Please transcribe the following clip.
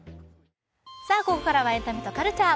ここからはエンタメとカルチャー。